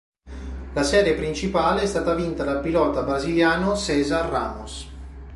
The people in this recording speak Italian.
La serie principale è stata vinta dal pilota brasiliano César Ramos.